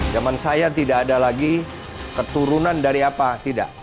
zaman saya tidak ada lagi keturunan dari apa tidak